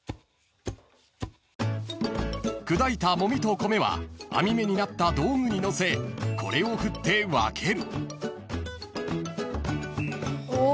［砕いたもみと米は網目になった道具にのせこれを振って分ける］